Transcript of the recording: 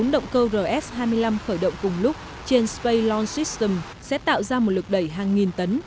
bốn động cơ rs hai mươi năm khởi động cùng lúc trên spacelon system sẽ tạo ra một lực đẩy hàng nghìn tấn